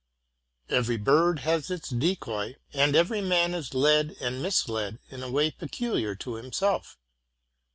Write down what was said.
Every bird has its decoy, and every man is led and misled in a way peculiar to himself.